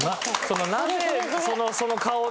なぜその顔ね。